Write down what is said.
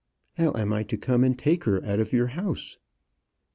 "How am I to come and take her out of your house?"